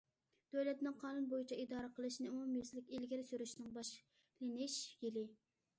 دۆلەتنى قانۇن بويىچە ئىدارە قىلىشنى ئومۇميۈزلۈك ئىلگىرى سۈرۈشنىڭ باشلىنىش يىلى.